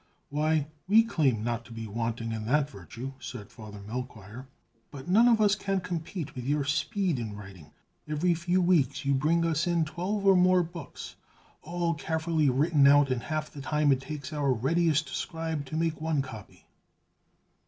"Why, we claim not to be wanting in that virtue," said Father Melchoir, "but none of us can compete with your speed in writing. Every few weeks you bring us in twelve or more books, all carefully written out in half the time it takes our readiest scribe to make one copy!"